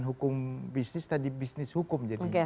hukum bisnis tadi bisnis hukum jadi